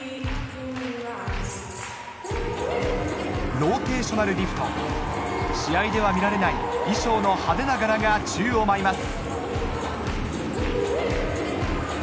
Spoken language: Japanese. ローテーショナルリフト試合では見られない衣装の派手な柄が宙を舞います